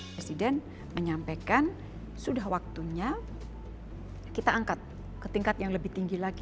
presiden menyampaikan sudah waktunya kita angkat ke tingkat yang lebih tinggi lagi